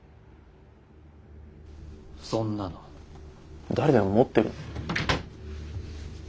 そんなの誰でも持ってるだろ。